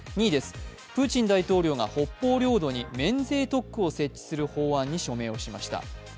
２位、プーチン大統領が北方領土に免税特区を作る法案に署名をしました。